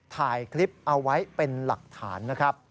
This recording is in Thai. ถ่ายคลิปเอาไว้เป็นหลักฐาน